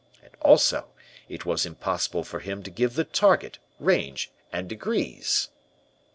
And also it was impossible for him to give the target, range, and degrees.